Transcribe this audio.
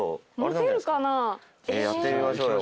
やってみましょうよ。